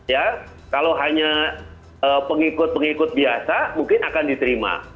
ya kalau hanya pengikut pengikut biasa mungkin akan diterima